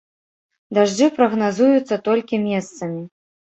Дажджы прагназуюцца толькі месцамі.